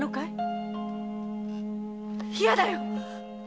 嫌だよ！